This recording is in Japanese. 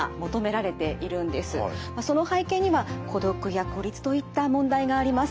その背景には孤独や孤立といった問題があります。